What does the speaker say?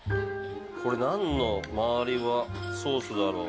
これ何の周りはソースだろう。